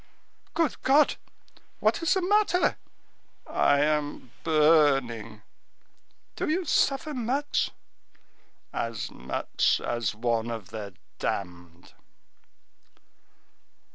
"Good God! what is the matter?" "I am burning!" "Do you suffer much?" "As much as one of the damned."